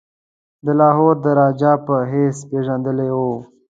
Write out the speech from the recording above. د لاهور د راجا په حیث پيژندلی وو.